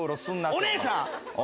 お姉さん！